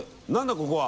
ここは。